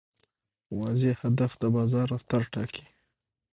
واضح هدف د بازار رفتار ټاکي.